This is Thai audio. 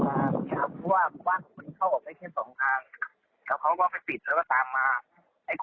เพราะบ้านเข้าออกได้เท่าสองทางเขาไปปิดแล้วตามมา